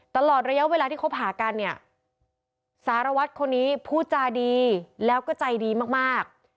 ตลอดระยะเวลาที่คบหากันเนี่ยสารวัตรคนนี้พูดจาดีแล้วก็ใจดีมาก